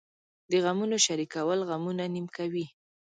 د غمونو شریکول غمونه نیم کموي .